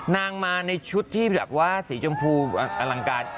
นางมาในชุดที่แบบว่าสีชมพูอลังการ